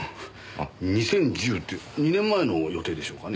２０１０って２年前の予定でしょうかね？